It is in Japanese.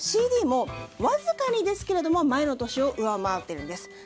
ＣＤもわずかにですけれども前の年を上回っているんです。